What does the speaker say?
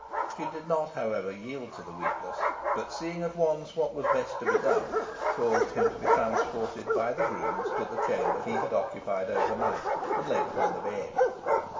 She did not, however, yield to the weakness, but seeing at once what was best to be done, caused him to be transported by the grooms to the chamber he had occupied over night, and laid upon the bed.